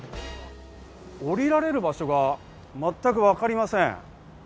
降りられる場所が全くわかりません。